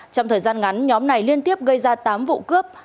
trong thời gian ngắn nhóm này liên tiếp gây ra tám vụ cướp